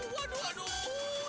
aduh aduh aduh